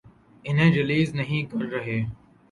انہیں ریلیز نہیں کر رہے۔